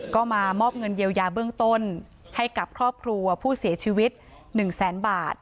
ก็มามอบเงินเยียวยาเบื้องต้นให้กับครอบครัวผู้เสียชีวิต๑แสนบาท